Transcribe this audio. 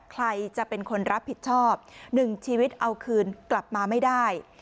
ใครจะเป็นคนรับผิดชอบ๑ชีวิตเอาคืนกลับมาไม่ได้